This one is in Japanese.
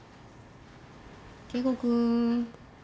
圭吾くーん。